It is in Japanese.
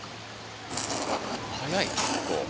速い結構。